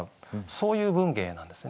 そういう文芸なんですね。